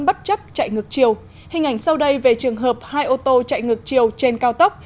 bất chấp chạy ngược chiều hình ảnh sau đây về trường hợp hai ô tô chạy ngược chiều trên cao tốc